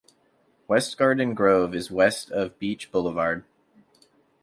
West Garden Grove is west of Beach Boulevard.